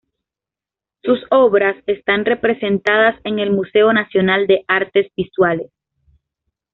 Sus obras están representadas en el Museo Nacional de Artes Visuales.